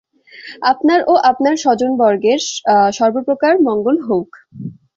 আপনার ও আপনার স্বজনবর্গের সর্বপ্রকার মঙ্গল হউক।